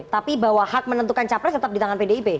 tapi bahwa hak menentukan capres tetap di tangan pdip